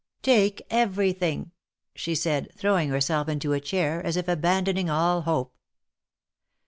''Take everything," she said, throwing herself into a chair, as if abandoning all hope.